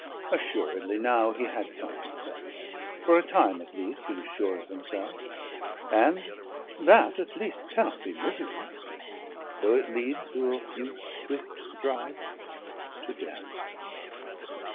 Assuredly now he had found himself, for a time at least he was sure of himself, and that at least cannot be misery, though it lead straight through a few swift strides to death.